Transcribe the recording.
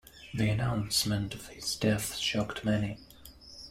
The announcement of his death shocked many.